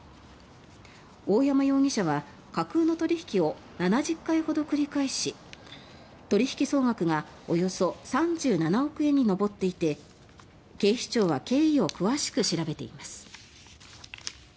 大山容疑者は架空の取引を７０回ほど繰り返し取引総額がおよそ３７億円に上っていて警視庁は経緯を詳しく調べています。